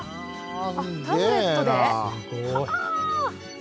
タブレットで？